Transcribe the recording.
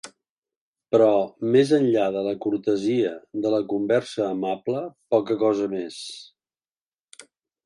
Però, més enllà de la cortesia, de la conversa amable, poca cosa més.